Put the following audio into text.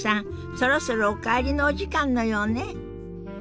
そろそろお帰りのお時間のようね。